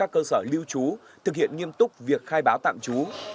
ba cơ sở lưu trú thực hiện nghiêm túc việc khai báo tạm trú